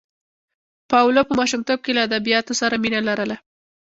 پاولو په ماشومتوب کې له ادبیاتو سره مینه لرله.